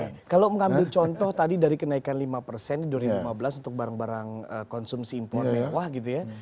oke kalau mengambil contoh tadi dari kenaikan lima persen di dua ribu lima belas untuk barang barang konsumsi impor mewah gitu ya